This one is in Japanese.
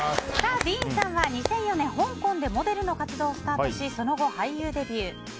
ディーンさんは２００４年香港でモデルの活動をスタートしその後、俳優デビュー。